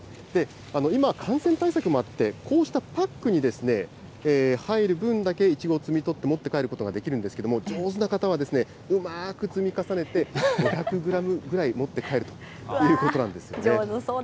今、感染対策もあってこうしたパックに入る分だけいちごを摘み取って持って帰ることができるんですけれども、上手な方はうまーく積み重ねて、５００グラムぐらい持って帰るということなんですよね。